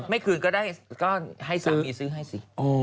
ไม่คืนก็ได้ก็ให้สามีซื้อให้สิ